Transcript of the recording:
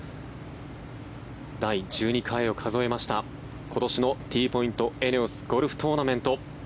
第１２回を数えました今年のＴポイント×ＥＮＥＯＳゴルフトーナメント。